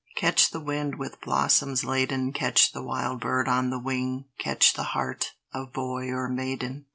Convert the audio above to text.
Catch the wind with blossoms laden, Catch the wild bird on the wing, Catch the heart of boy or maiden!